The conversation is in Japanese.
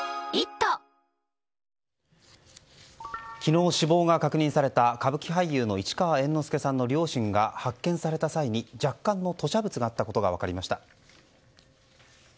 昨日死亡が確認された歌舞伎俳優の市川猿之助さんの両親が発見された際に若干の吐しゃ物があったことが分かりました。